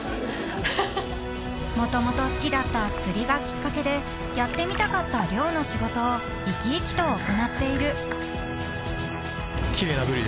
［もともと好きだった釣りがきっかけでやってみたかった漁の仕事を生き生きと行っている］